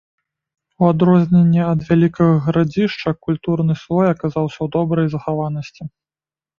У адрозненне ад вялікага гарадзішча, культурны слой аказаўся ў добрай захаванасці.